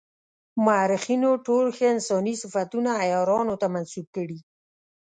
مورخینو ټول ښه انساني صفتونه عیارانو ته منسوب کړي.